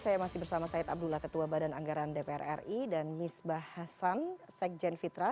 saya masih bersama said abdullah ketua badan anggaran dpr ri dan misbah hasan sekjen fitra